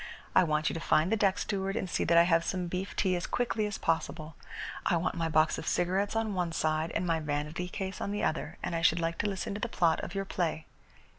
I want you to find the deck steward and see that I have some beef tea as quickly as possible. I want my box of cigarettes on one side and my vanity case on the other, and I should like to listen to the plot of your play."